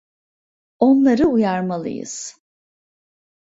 Onları uyarmalıyız.